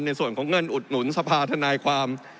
ในส่วนของเงินอุดหนุนสภาธนายความ